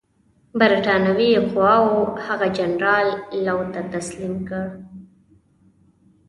برټانوي قواوو هغه جنرال لو ته تسلیم کړ.